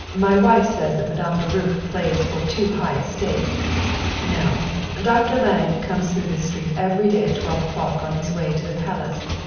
My wife says that Madame Baruch plays for too high a stake. No, Dr. Lange comes through this street every day at twelve o'clock on his way to the Palace.